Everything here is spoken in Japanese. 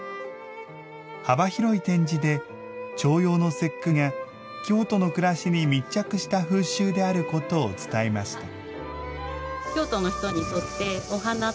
幅広い展示で、重陽の節句が京都の暮らしに密着した風習であることを伝えました。